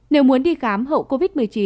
nếu muốn đi khám hậu covid một mươi chín